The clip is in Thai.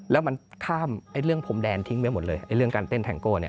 แล้วมันข้ามเรื่องพรมแดนทิ้งไว้หมดเลยเรื่องการเต้นแทงโก้เนี่ย